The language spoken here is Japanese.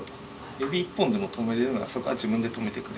指一本でも止めれるならそこは自分で止めてくれと。